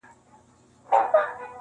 • سپینو وېښتو ته جهاني هینداره نه ځلوم -